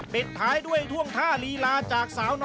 ปิดท้ายด้วยท่วงท่าลีลา